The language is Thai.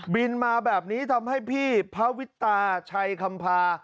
บินมาแบบนี้ทำให้พี่พระวิตาชัยคำพา